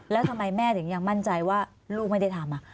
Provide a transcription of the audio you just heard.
แล้วทำไมแม่ถึงยังมั่นใจว่าลูกไม่ได้ทำ